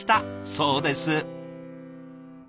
そうです。